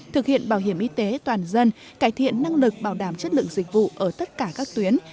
thực hiện bảo hiểm y tế toàn dân cải thiện năng lực bảo đảm chất lượng dịch vụ ở tất cả các tuyến